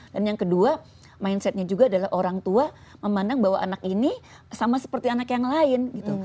dan yang kedua mindsetnya juga adalah orang tua memandang bahwa anak ini sama seperti anak yang lain gitu